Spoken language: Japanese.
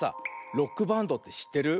ロックバンドってしってる？